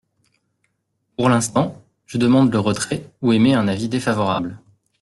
Pour l’instant, je demande le retrait ou émets un avis défavorable.